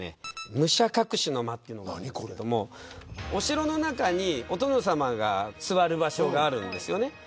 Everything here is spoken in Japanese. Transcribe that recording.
武者隠しの間というのがあるんですけどお城の中にお殿様が座る場所があるんですよね。